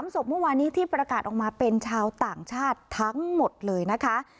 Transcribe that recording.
๓ศพเมื่อวานนี้ที่ประกาศออกมาเป็นชาวต่างชาติทั้งหมดเลยนะคะ